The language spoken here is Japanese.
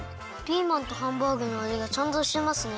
ピーマンとハンバーグのあじがちゃんとしてますね。